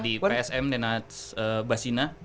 di psm denats basina